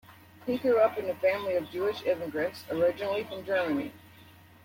He grew up in a family of Jewish immigrants, originally from Germany.